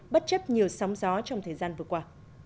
bất chấp nhiều sóng gió trong thời gian vừa qua